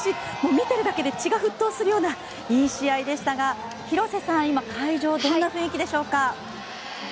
見ているだけで血が沸騰するようないい試合でしたが広瀬さん、会場どんな雰囲気でしょうか。